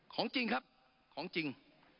ของจริงครับของจริง